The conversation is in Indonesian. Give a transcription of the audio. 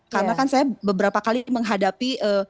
karena kan saya beberapa kali menghadapi